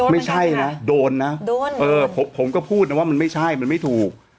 ไม่ใช่นะโดนนะโดนเออผมก็พูดนะว่ามันไม่ใช่มันไม่ถูก